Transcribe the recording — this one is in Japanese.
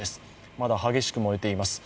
まだ激しく燃えています。